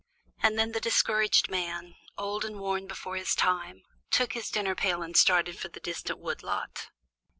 And then the discouraged man, old and worn before his time, took his dinner pail and started for the distant wood lot.